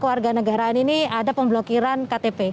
kewarganegaraan ini ada pemblokiran ktp